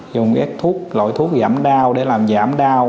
dùng ít thuốc loại thuốc giảm đau để làm giảm đau